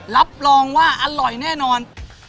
รับรองว่าอร่อยแน่นอน